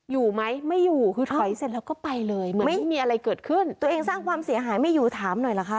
อยู่ไหมไม่อยู่คือถอยเสร็จแล้วก็ไปเลยเหมือนไม่มีอะไรเกิดขึ้นตัวเองสร้างความเสียหายไม่อยู่ถามหน่อยเหรอคะ